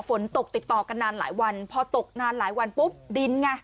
ฝนตกติดต่อกันนานหลายวันพอตกนานหลายวันปุ๊บดินไง